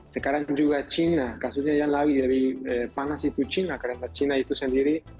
sekarang juga china kasusnya yang lain lebih panas itu china karena china itu sendiri